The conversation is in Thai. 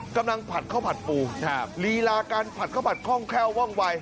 ผัดข้าวผัดปูลีลาการผัดข้าวผัดคล่องแคล่วว่องวัย